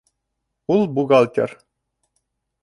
Ул бухгалтер